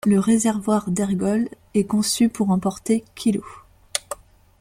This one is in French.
Le réservoir d'ergols est conçu pour emporter kg.